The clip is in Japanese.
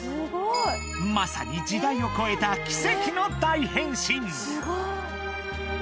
まさに時代を超えた奇跡の大変身！